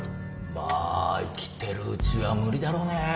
まあ生きてるうちは無理だろうね。